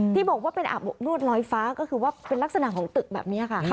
ที่บอกว่าเป็นอาบอบนวดลอยฟ้าก็คือว่าเป็นลักษณะของตึกแบบนี้ค่ะ